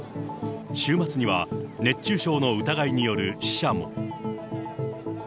週末には熱中症の疑いによる死者も。